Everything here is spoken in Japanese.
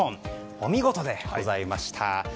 お見事でございました。